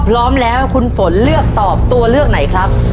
พร้อมแล้วคุณฝนเลือกตอบตัวเลือกไหนครับ